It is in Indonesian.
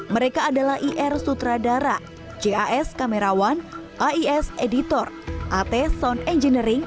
mereka adalah ir sutradara jas kamerawan ais editor at sound engineering